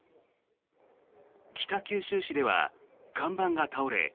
北九州市では看板が倒れ